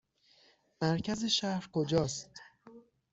مرکز شهر کجا است؟